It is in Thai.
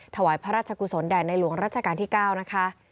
ถวายพระราชกุศลแด่ในหลวงรัชกาลที่๙นะคะ